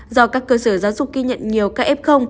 do các cơ sở giáo dục ghi nhận nhiều các f